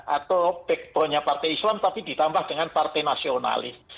atau backgroundnya partai islam tapi ditambah dengan partai nasionalis